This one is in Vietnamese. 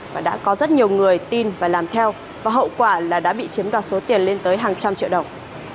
và đã có rất nhiều người tin và làm theo và hậu quả là đã bị chiếm đoạt số tiền lên tới hàng trăm triệu đồng